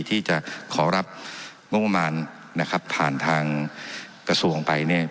ที่จะขอรับงบประมาณนะครับผ่านทางกระทรวงไปเนี่ย